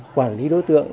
quản lý đối tượng